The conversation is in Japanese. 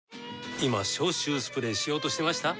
今消臭スプレーしようとしてました？